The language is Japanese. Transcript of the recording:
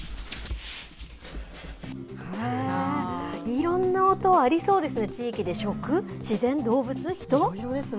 いろんな音ありそうですね、地域で食、自然、動物、人？